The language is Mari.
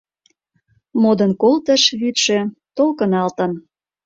Модын колтыш вӱдшӧ, толкыналтын.